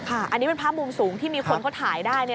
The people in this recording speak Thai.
อันนี้เป็นภาพมุมสูงที่มีคนเขาถ่ายได้